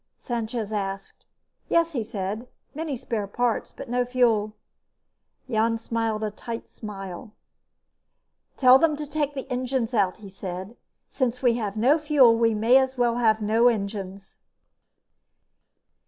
Sanchez asked. "Yes," he said. "Many spare parts, but no fuel." Jan smiled a tight smile. "Tell them to take the engines out," he said. "Since we have no fuel, we may as well have no engines."